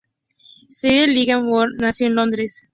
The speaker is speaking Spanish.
Sadie Liza Vaughan nació en Londres.